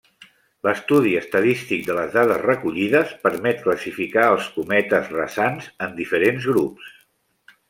L'estudi estadístic de les dades recollides permet classificar els cometes rasants en diferents grups.